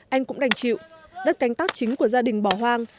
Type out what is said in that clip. anh cũng đành chịu đất canh tác chính của gia đình bỏ hoang